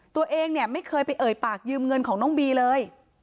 ตัวเองเนี่ยไม่เคยไปเอ่ยปากยืมเงินของน้องบีเลย